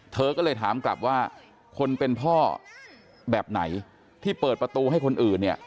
เธอก็เลยถามกลับว่าคนเป็นพ่อแบบไหนที่เปิดประตูให้คนอื่นเนี่ย